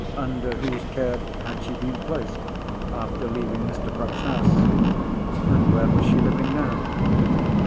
Under whose care had she been placed after leaving Mr. Bruff's house? and where was she living now?